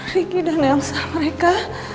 riki dan elsa mereka